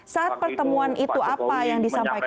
saat pertemuan itu apa yang disampaikan